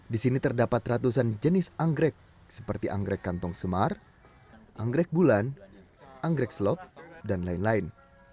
di sini terdapat ratusan jenis anggrek seperti anggrek kantong semar anggrek bulan anggrek selok dan lain lain